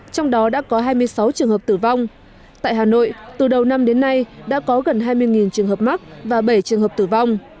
trong đó đã có hai mươi sáu trường hợp tử vong tại hà nội từ đầu năm đến nay đã có gần hai mươi trường hợp mắc và bảy trường hợp tử vong